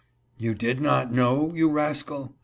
" You did not know, you rascal